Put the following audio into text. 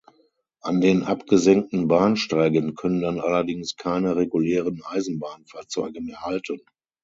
An den abgesenkten Bahnsteigen können dann allerdings keine regulären Eisenbahnfahrzeuge mehr halten.